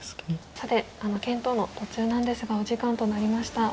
さて検討の途中なんですがお時間となりました。